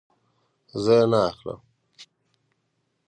زه یی نه اخلم